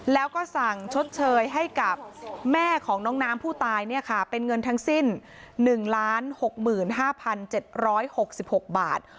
แล้วก็สั่งชดเชยให้กับแม่ของน้องน้ำผู้ตายเนี่ยค่ะเป็นเงินทั้งสิ้นหนึ่งล้านหกหมื่นห้าพันเจ็ดร้อยหกสิบหกบาท